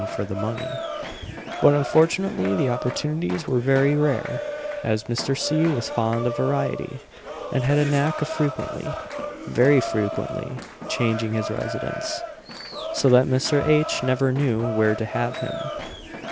for the money; but unfortunately the opportunities were very rare, as Mr. C. was fond of variety, and had a knack of frequently, very frequently, changing his residence; so that Mr. H. never knew "where to have him."